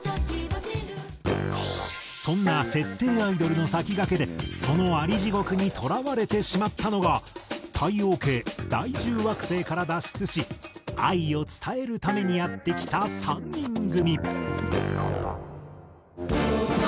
そんな設定アイドルの先駆けでそのアリ地獄にとらわれてしまったのが太陽系第１０惑星から脱出し愛を伝えるためにやって来た３人組。